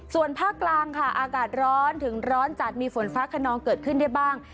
ส่วนภาคกลางค่ะอากาศร้อนถึงร้อนจัดมีฝนฟ้าขนองเกิดขึ้นได้บ้าง